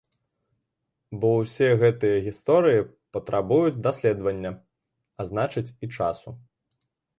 Бо ўсе гэтыя гісторыі патрабуюць даследавання, а значыць, і часу.